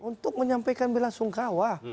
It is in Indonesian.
untuk menyampaikan bela sungkawa